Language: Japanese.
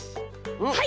はい！